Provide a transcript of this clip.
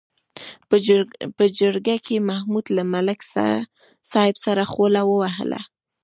په جرګه کې محمود له ملک صاحب سره خوله ووهله.